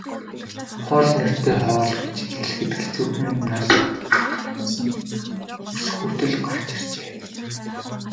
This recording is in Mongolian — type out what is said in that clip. Хоол нэртэй хоол гэж хэлэхэд хэцүүхэн юмнаас нь үс хүртэл гарч иржээ.